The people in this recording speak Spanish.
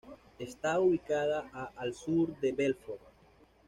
Está ubicada a al sur de Belfort.